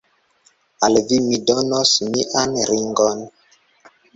Al vi mi donos mian ringon.